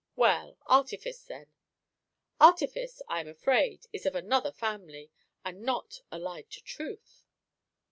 "Well, artifice, then?" "Artifice, I am afraid, is of another family, and not allied to truth."